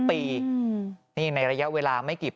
ปี๖๕วันเกิดปี๖๔ไปร่วมงานเช่นเดียวกัน